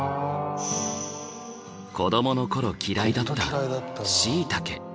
子どもの頃嫌いだったシイタケ。